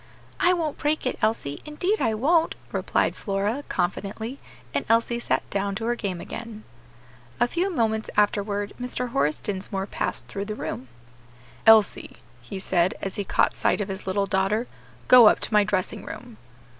"I won't break it, Elsie, indeed I won't," replied Flora, confidently; and Elsie sat down to her game again. A few moments afterward Mr. Horace Dinsmore passed through the room. "Elsie," he said, as he caught sight of his little daughter, "go up to my dressing room."